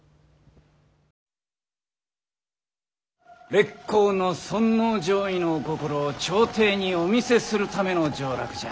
烈公の尊王攘夷のお心を朝廷にお見せするための上洛じゃ。